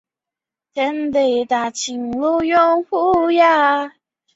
砗磲蛤属为砗磲亚科之下两个属之一。